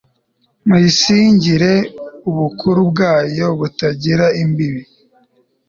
muyisingirize ubukuru bwayo butagira imbibi